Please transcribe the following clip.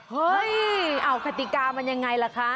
เฮ้ยเอากติกามันยังไงล่ะคะ